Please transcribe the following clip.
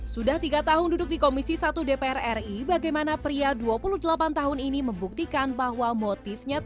sudah tiga tahun duduk di komisi satu dpr ri